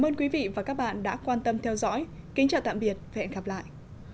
ơn quý vị và các bạn đã quan tâm theo dõi kính chào tạm biệt và hẹn gặp lại